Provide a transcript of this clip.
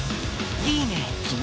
いいね君。